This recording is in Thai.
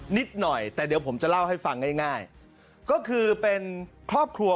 นิดหน่อยแต่เดี๋ยวผมจะเล่าให้ฟังง่ายก็คือเป็นครอบครัว